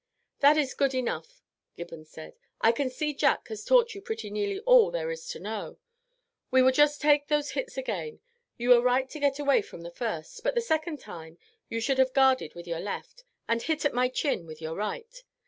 "That is good enough," Gibbons said; "I can see Jack has taught you pretty nearly all there is to know. We will just take those hits again. You were right to get away from the first, but the second time you should have guarded with your left, and hit at my chin with your right.